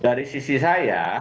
dari sisi saya